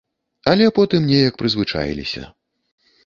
Але потым неяк прызвычаіліся.